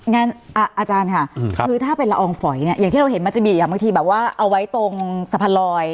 อาจารย์ค่ะคือถ้าเป็นละอองฝอยเนี่ยอย่างที่เราเห็นมันจะมีอย่างบางทีแบบว่าเอาไว้ตรงสะพานลอย